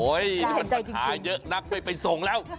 นี่มันปัญหาเยอะนักไม่ไปส่งแล้ว